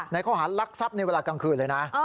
ข้อหารลักทรัพย์ในเวลากลางคืนเลยนะ